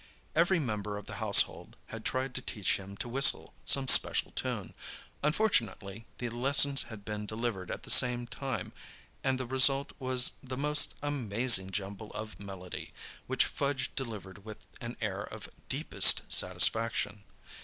Every member of the household had tried to teach him to whistle some special tune. Unfortunately, the lessons had been delivered at the same time, and the result was the most amazing jumble of melody, which Fudge delivered with an air of deepest satisfaction.